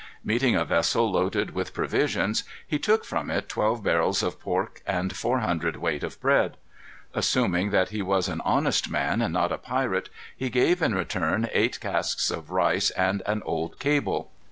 Meeting a vessel loaded with provisions, he took from it twelve barrels of pork and four hundred weight of bread. Assuming that he was an honest man, and not a pirate, he gave in return eight casks of rice and an old cable.